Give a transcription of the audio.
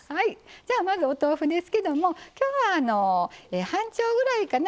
じゃあまずお豆腐ですけども今日は半丁ぐらいかな？